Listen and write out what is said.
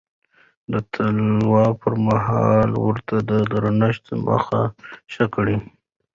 د تلو پر مهال ورته په درنښت مخه ښه وکړئ.